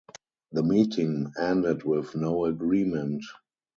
The meeting ended with no agreement.